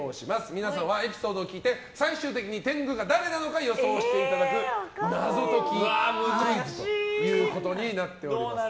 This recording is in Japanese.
皆さんはそのエピソードを聞いて最終的に天狗が誰なのかを予想していただく謎解きクイズとなっております。